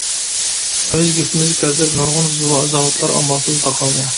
ئۆز گېپىمىزگە كەلسەك نۇرغۇن زاۋۇتلار ئامالسىز تاقالدى.